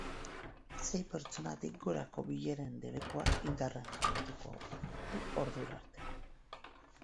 Sei pertsonatik gorako bileren debekuak indarrean jarraituko du ordura arte.